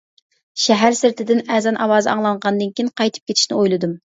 شەھەر سىرتىدىن ئەزان ئاۋازى ئاڭلانغاندىن كېيىن، قايتىپ كېتىشنى ئويلىدىم.